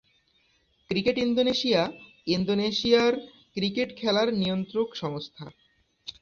Cricket Indonesia ইন্দোনেশিয়ার cricket খেলার নিয়ন্ত্রক সংস্থা।